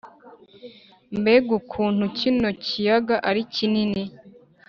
- mbega ukuntu kino kiyaga ari kinini!